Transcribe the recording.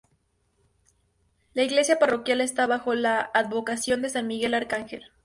La iglesia parroquial está bajo la advocación de San Miguel Arcángel.